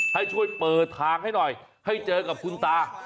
ให้ช่วยเปิดทางให้หน่อยให้เจอกับคุณตา